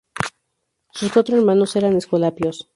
Sus cuatro hermanos eran escolapios.